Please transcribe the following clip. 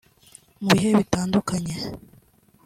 Mu bihe bitandukanye